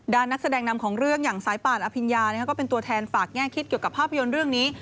นักแสดงนำของเรื่องอย่างสายป่านอภิญญาก็เป็นตัวแทนฝากแง่คิดเกี่ยวกับภาพยนตร์เรื่องนี้